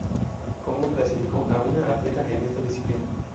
Congo clasificó a una atleta en esta disciplina.